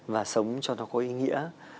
và sống cho nó có ý nghĩa